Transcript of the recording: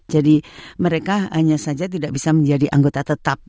jadi mereka hanya saja tidak bisa menjadi anggota tetap